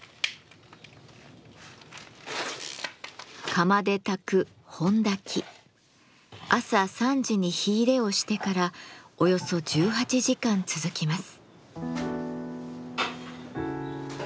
釜で焚く朝３時に火入れをしてからおよそ１８時間続きます。